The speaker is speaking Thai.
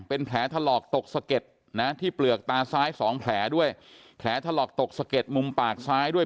เป็นแผลถลอกตกสะเก็ดนะที่เปลือกตาซ้ายสองแผลด้วยแผลถลอกตกสะเก็ดมุมปากซ้ายด้วย